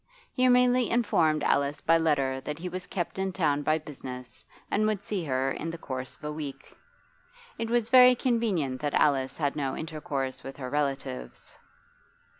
He merely informed Alice by letter that he was kept in town by business and would see her in the course of a week. It was very convenient that Alice had no intercourse with her relatives.